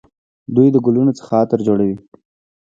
دوی د ګلونو څخه عطر جوړوي.